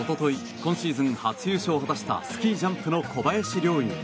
今シーズン初優勝を果たしたスキージャンプの小林陵侑。